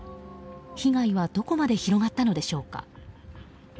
被害はどこまで広がったのでしょうか。